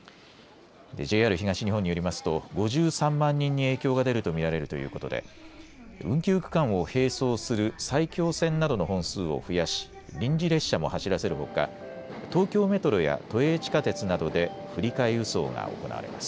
ＪＲ東日本によりますと、５３万人に影響が出ると見られるということで、運休区間を並走する埼京線などの本数を増やし、臨時列車も走らせるほか、東京メトロや都営地下鉄などで振り替え輸送が行われます。